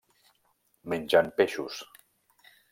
Mengen peixos.